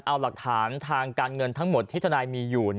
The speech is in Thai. เอาหลักฐานทางการเงินทั้งหมดที่ทนายมีอยู่